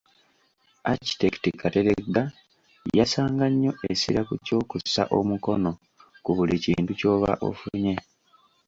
Architect Kateregga yassanga nnyo essira ku ky'okussa omukono ku buli kintu ky’oba ofunye.